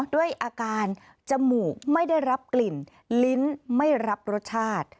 ด้วยอาการจมูกไม่ได้รับกลิ่นลิ้นไม่รับรสชาติ